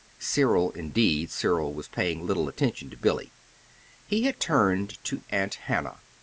Cyril indeed, Cyril was paying little attention to Billy. He had turned to Aunt Hannah.